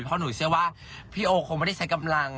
เพราะหนูเชื่อว่าพี่โอคงไม่ได้ใช้กำลัง